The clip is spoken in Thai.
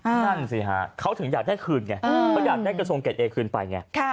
นั่นสิฮะเขาถึงอยากได้คืนไงเขาอยากได้กระทรวงเกรดเอคืนไปไง